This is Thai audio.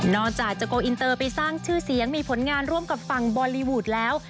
จากจะโกลอินเตอร์ไปสร้างชื่อเสียงมีผลงานร่วมกับฝั่งบอลลีวูดแล้ว